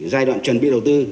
giai đoạn chuẩn bị đầu tư